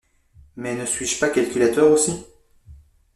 Mais ne suis-je pas calculateur aussi?